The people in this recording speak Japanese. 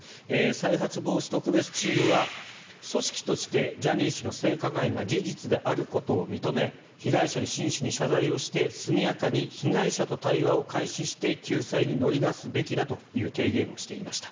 再発防止特別チームは組織としてジャニー氏の性加害が事実であることを認め被害者に真摯に謝罪をして速やかに被害者を対話を開始して救済に乗り出すべきだという提言をしていました。